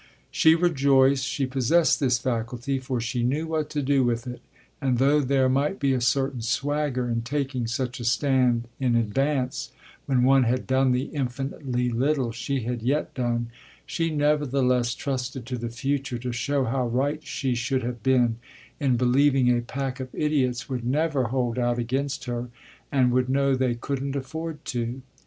She rejoiced she possessed this faculty, for she knew what to do with it; and though there might be a certain swagger in taking such a stand in advance when one had done the infinitely little she had yet done, she nevertheless trusted to the future to show how right she should have been in believing a pack of idiots would never hold out against her and would know they couldn't afford to.